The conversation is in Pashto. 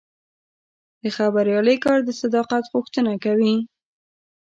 د خبریالۍ کار د صداقت غوښتنه کوي.